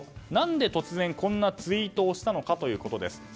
何で突然こんなツイートをしたのかです。